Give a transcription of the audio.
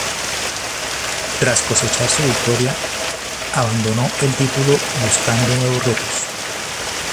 Tras cosechar su victoria, abandonó el título buscando nuevos retos.